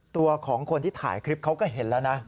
ตัวของคนที่ถ่ายคลิปเขาก็เห็นแล้วนะ